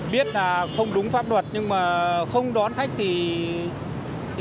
biết là không đúng pháp luật nhưng mà không đón khách thì